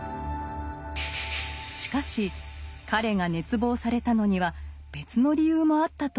しかし彼が熱望されたのには別の理由もあったといいます。